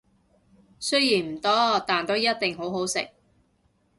雖然唔多，但都一定好好食